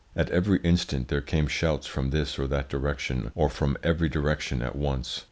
At every instant there came shouts from this or that direction or from every direction at once.